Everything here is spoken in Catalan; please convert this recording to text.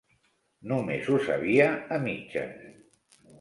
Només ho sabia a mitges.